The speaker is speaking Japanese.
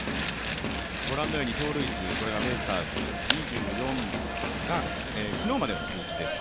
御覧のように盗塁数、ベイスターズ、２４が昨日までの数字です。